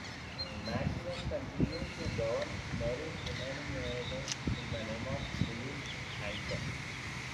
Maximilian continued to govern Mary's remaining inheritance in the name of Philip the Handsome.